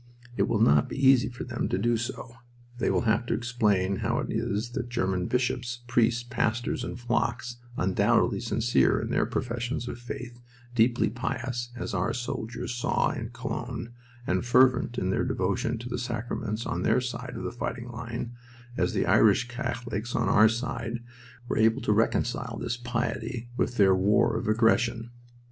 It will not be easy for them to do so. They will have to explain how it is that German bishops, priests, pastors, and flocks, undoubtedly sincere in their professions of faith, deeply pious, as our soldiers saw in Cologne, and fervent in their devotion to the sacraments on their side of the fighting line, as the Irish Catholics on our side, were able to reconcile this piety with their war of aggression.